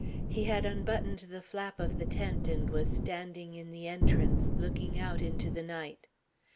He had unbuttoned the flap of the tent and was standing in the entrance looking out into the night.